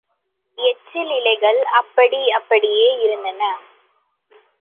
எச்சில் இலைகள் அப்படி அப்படியே இருந்தன.